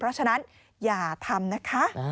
เพราะฉะนั้นอย่าทำนะคะ